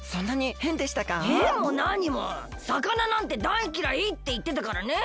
へんも何も魚なんてだいきらいっていってたからねえ。